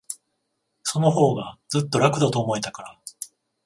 そのほうが、ずっと楽だと思えたから。